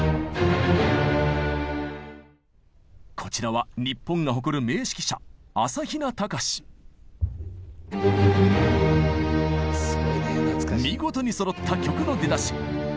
こちらは日本が誇る名指揮者見事にそろった曲の出だし。